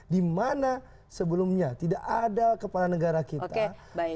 di mana sebelumnya tidak ada kepala negara kita